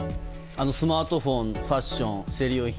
スマートフォンファッション、生理用品。